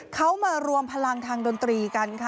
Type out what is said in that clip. เขามารวมพลังทางดนตรีกันค่ะ